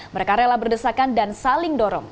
mereka rela berdesakan dan saling dorong